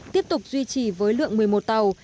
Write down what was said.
tiếp tục duy trì với lượng một mươi một tàu